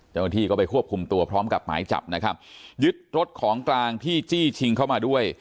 เจ้าหน้าที่ก็ไปควบคุมตัวพร้อมกับหมายจับนะครับยึดรถของกลางที่จี้ชิงเข้ามาด้วย